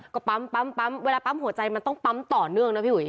ก็ปั๊มเวลาปั๊มหัวใจมันต้องปั๊มต่อเนื่องนะพี่อุ๋